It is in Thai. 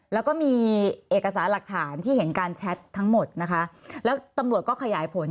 แล้วก็มีเอกสารหลักฐานที่เห็นการแชททั้งหมดนะคะแล้วตำรวจก็ขยายผล